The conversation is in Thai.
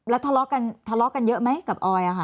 แล้วทะเลาะกันเยอะไหมกับออยค่ะ